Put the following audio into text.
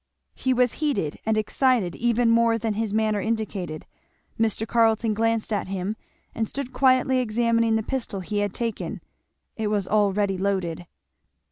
He was heated and excited even more than his manner indicated. Mr. Carleton glanced at him and stood quietly examining the pistol he had taken. It was all ready loaded.